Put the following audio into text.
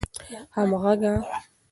همږغه